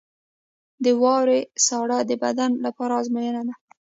• د واورې ساړه د بدن لپاره ازموینه ده.